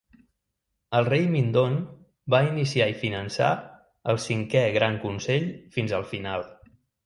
El rei Mindon va iniciar i finançar el Cinquè Gran Consell fins al final.